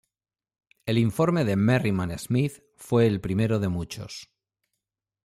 El informe de Merriman Smith fue el primero de muchos.